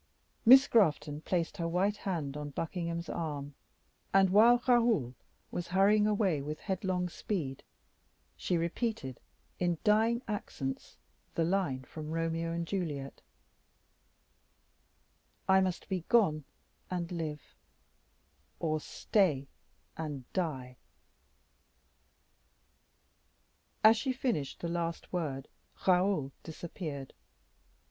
Miss Grafton placed her white hand on Buckingham's arm, and, while Raoul was hurrying away with headlong speed, she repeated in dying accents the line from Romeo and Juliet: "I must be gone and live, or stay and die." As she finished the last word, Raoul disappeared.